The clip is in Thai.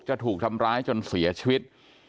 จะถูกทำร้ายจนเสียชีวิต